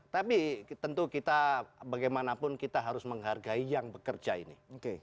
tapi tentu kita bagaimanapun kita harus menghargai yang bekerja ini